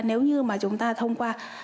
nếu như mà chúng ta thông qua